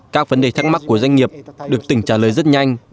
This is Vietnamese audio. các vấn đề thắc mắc của doanh nghiệp được tỉnh trả lời rất nhanh